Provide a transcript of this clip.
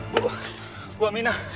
bu gue aminah